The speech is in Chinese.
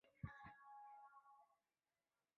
王玉藻只得还朝。